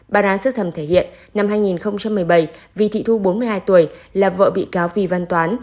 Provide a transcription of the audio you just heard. bà đáng sức thẩm thể hiện năm hai nghìn một mươi bảy vì thị thu bốn mươi hai tuổi là vợ bị cáo vì văn toán